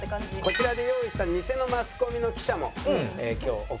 こちらで用意した偽のマスコミの記者も今日お越し頂いて。